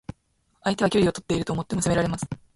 相手は距離をとっていると思っていても攻められます。